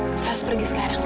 saya harus pergi sekarang